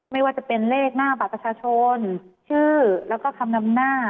ไม่ว่าจะเป็นเลขหน้าบัตรประชาชนชื่อแล้วก็คำนำหน้า